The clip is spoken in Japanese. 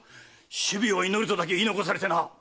「首尾を祈る」とだけ言い残されてな。